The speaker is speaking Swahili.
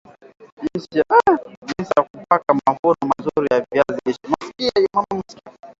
jinsi ya kupata mavuno mazuri ya viazi lishe